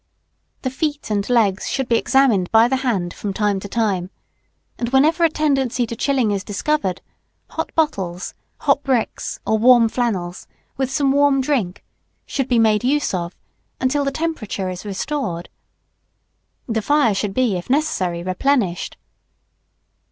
The feet and legs should be examined by the hand from time to time, and whenever a tendency to chilling is discovered, hot bottles, hot bricks, or warm flannels, with some warm drink, should be made use of until the temperature is restored. The fire should be, if necessary, replenished.